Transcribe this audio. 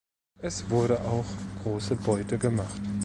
Es wurde auch große Beute gemacht.